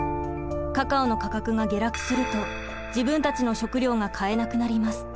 カカオの価格が下落すると自分たちの食糧が買えなくなります。